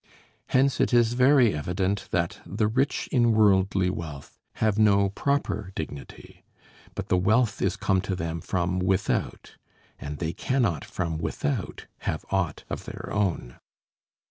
Hence it is very evident that the rich in worldly wealth have no proper dignity; but the wealth is, come to them from without, and they cannot from without have aught of their own.